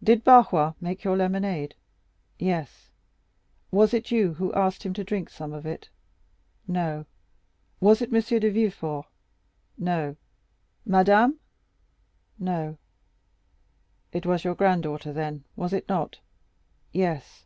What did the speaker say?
"Did Barrois make your lemonade?" "Yes." "Was it you who asked him to drink some of it?" "No." "Was it M. de Villefort?" "No." "Madame?" "No." "It was your granddaughter, then, was it not?" "Yes."